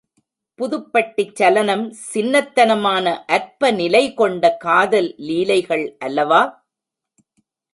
புதுப்பட்டிச் சலனம் சின்னத் தனமான அற்ப நிலை கொண்ட காதல் லீலைகள் அல்லவா?